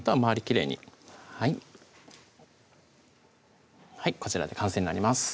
きれいにはいこちらで完成になります